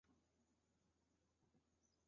宋朝鄂州诸军都统制孟珙回来援救。